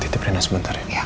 teteh reyna sebentar ya